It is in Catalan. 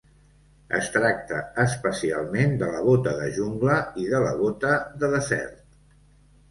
Es tracta, especialment, de la bota de jungla i de la bota de desert.